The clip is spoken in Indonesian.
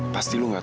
pasti lo gak tau